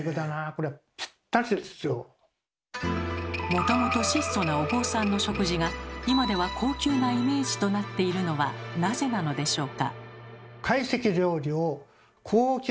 これはもともと質素なお坊さんの食事が今では高級なイメージとなっているのはなぜなのでしょうか？